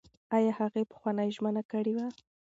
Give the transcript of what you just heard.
ایا هغې پخوانۍ ژمنه کړې وه؟